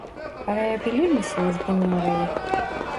Arayabilir misiniz bu numarayı